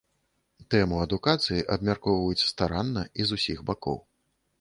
Тэму адукацыі абмяркоўваюць старанна і з усіх бакоў.